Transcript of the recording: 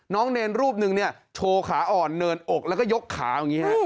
เนรรูปนึงเนี่ยโชว์ขาอ่อนเนินอกแล้วก็ยกขาอย่างนี้ฮะ